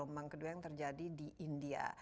gelombang kedua yang terjadi di india